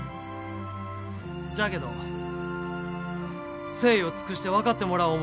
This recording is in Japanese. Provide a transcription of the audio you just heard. じゃけど、誠意を尽くして分かってもらおう思